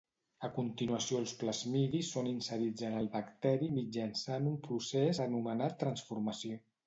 A continuació els plasmidis són inserits en el bacteri mitjançant un procés anomenat transformació.